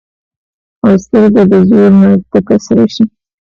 او سترګه د زور نه تکه سره شي